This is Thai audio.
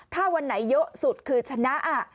ถ้าวันไหนเยอะสุดคือชนะ